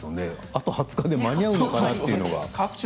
あと２０日で間に合うのかなというのが。